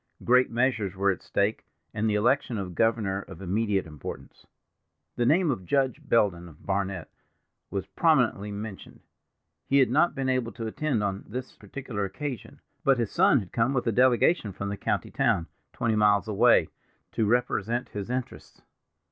Great measures were at stake, and the election of governor of immediate importance. The name of Judge Belden of Barnet was prominently mentioned. He had not been able to attend on this particular occasion, but his son had come with a delegation from the county town, twenty miles away, to represent his interests.